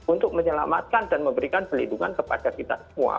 untuk menyelamatkan dan memberikan pelindungan kepada kita semua